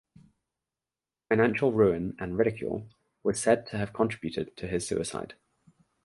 Financial ruin and ridicule was said to have contributed to his suicide.